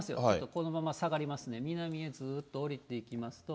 このまま下がりますね、南へずーっと下りていきますと。